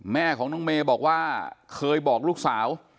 แม่ของน้องเมย์บอกว่าเคยบอกลูกสาว